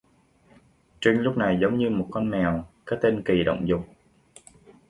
Trinh Lúc này giống như một con mèo cái tên kỳ động dục